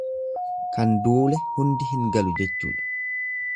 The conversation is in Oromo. Kan duule hundi hin galu jechuudha.